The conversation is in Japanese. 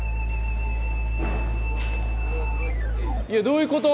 いやどういうこと？